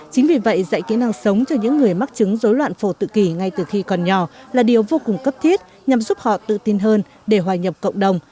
chính vì vậy dạy kỹ năng sống cho những người mắc chứng dối loạn phổ tự kỷ ngay từ khi còn nhỏ là điều vô cùng cấp thiết nhằm giúp họ tự tin hơn để hòa nhập cộng đồng